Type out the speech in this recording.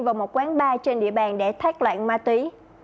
vào một quán bar trên địa bàn để thoát loạn ma túy